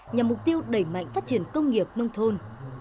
nhằm mục tiêu đẩy mạnh phát triển công nghiệp nông thôn